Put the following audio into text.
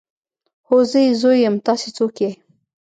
هو زه يې زوی يم تاسې څوک يئ.